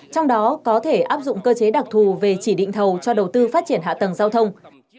trong đó có thể áp dụng cơ chế đặc thù về chỉ định thầu cho đầu tư phát triển hạ tầng giao thông